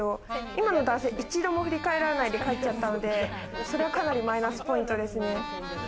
今の男性、一度も振り返らないで帰っちゃったんで、それは、かなりマイナスポイントですね。